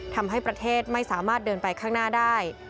ทำให้ประเทศไม่สามารถเดินไปข้างหน้าได้